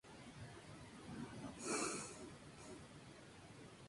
El Códice Florentino, la menciona para: las paperas e inflamaciones de la garganta.